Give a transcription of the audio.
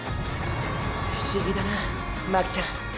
不思議だな巻ちゃん。